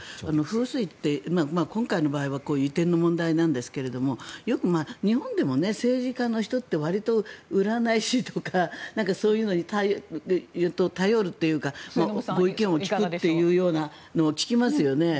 風水って、今回の場合は移転の問題なんですけどよく日本でも政治家の人ってわりと占い師とかそういうのに頼るというかご意見を聞くというようなことを聞きますよね。